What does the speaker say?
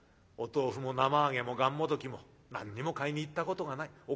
お豆腐も生揚げもがんもどきも何にも買いに行ったことがない。